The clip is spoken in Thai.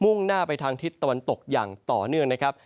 ่งหน้าไปทางทิศตะวันตกอย่างต่อเนื่องนะครับ